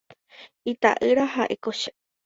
Ita'ýra ha'éko che.